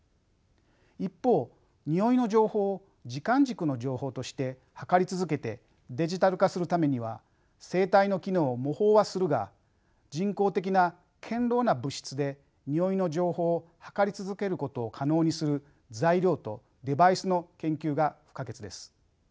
一方においの情報を時間軸の情報として測り続けてデジタル化するためには生体の機能を模倣はするが人工的な堅ろうな物質でにおいの情報を測り続けることを可能にする材料とデバイスの研究が不可欠です。